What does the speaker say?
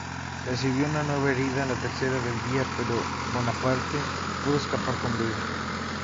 Recibió una nueva herida, la tercera del día, pero Bonaparte pudo escapar con vida.